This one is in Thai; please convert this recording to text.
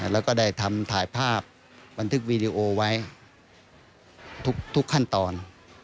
แล้วก็ได้ทำถ่ายภาพบันทึกวีดีโอไว้ทุกขั้นตอน